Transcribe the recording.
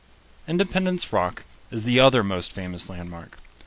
] Independence Rock is the other most famous landmark.